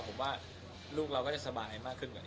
ผมว่าลูกเราก็จะสบายมากขึ้น